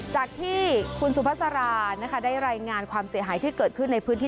จากที่คุณสุภาษารานะคะได้รายงานความเสียหายที่เกิดขึ้นในพื้นที่